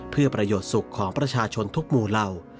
เพื่อประโยชน์สุขของประชาชนทุกหมู่เหล่า